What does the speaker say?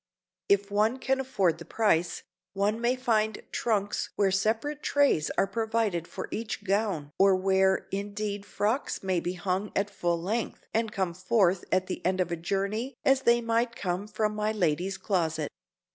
If one can afford the price, one may find trunks where separate trays are provided for each gown or where indeed frocks may be hung at full length and come forth at the end of a journey as they might come from my lady's closet.